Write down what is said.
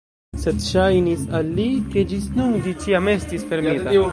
Sed ŝajnis al li, ke ĝis nun ĝi ĉiam estis fermita.